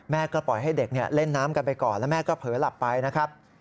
ก็ปล่อยให้เด็กเล่นน้ำกันไปก่อนแล้วแม่ก็เผลอหลับไปนะครับ